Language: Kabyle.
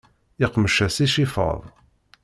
Iqmec-as icifaḍ.